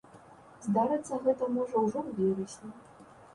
Здарыцца гэта можа ўжо ў верасні.